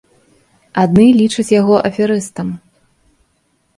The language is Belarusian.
Адны лічаць яго аферыстам.